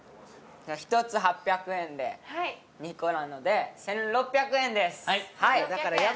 １つ８００円で２個なので１６００円です